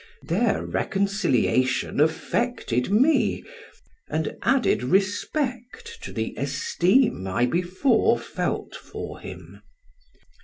Their reconciliation affected me, and added respect to the esteem I before felt for him.